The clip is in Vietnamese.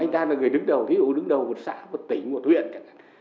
anh ta là người đứng đầu ví dụ đứng đầu một xã một tỉnh một huyện